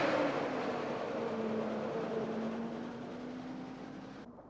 suami saya itu kepala bagian yang cermat dalam keuangan